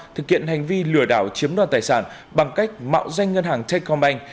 thực hiện hành vi lừa đảo chiếm đoạt tài sản bằng cách mạo danh ngân hàng techcombank